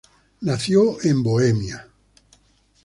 Nació en Bohemia.